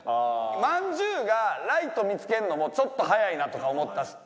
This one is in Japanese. まんじゅうがライト見つけんのもちょっと早いなとかは思った。